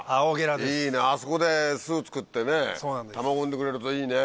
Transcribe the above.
いいねあそこで巣つくってね卵を産んでくれるといいね。